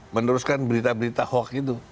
meneruskan berita berita hoax itu